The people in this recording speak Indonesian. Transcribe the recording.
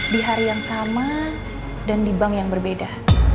di hari yang sama dan di bank yang berbeda